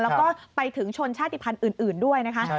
แล้วก็ไปถึงชนชาติภัณฑ์อื่นด้วยนะคะ